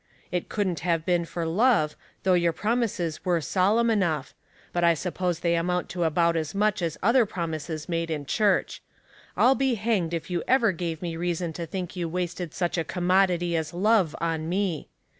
It couldn't have been for love, though your promises were solemn enough; but I suppose they amount to about as much as other promises made in cliurch. I'll be hanged if you ever gave me reason to think you wasted such a commodity as love on me.